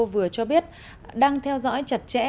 vừa cho biết đang theo dõi chặt chẽ